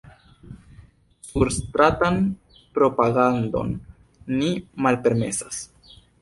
Surstratan propagandon ni malpermesas.